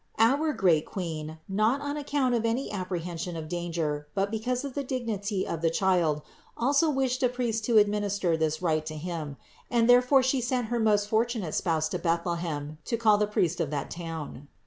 Our great Queen, not on account of any apprehension of danger, but because of the dignity of the Child, also wished a priest to administer this rite to Him; and therefore She sent her most fortunate spouse to Bethlehem to call the priest of that town.